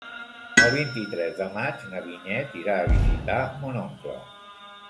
El vint-i-tres de maig na Vinyet irà a visitar mon oncle.